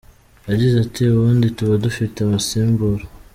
Yagize ati “Ubundi tuba dufite abasimbura.